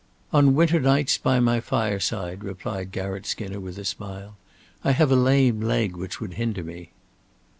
"On winter nights by my fireside," replied Garratt Skinner, with a smile. "I have a lame leg which would hinder me."